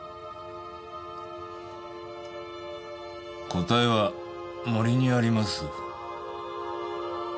答えは森にあります。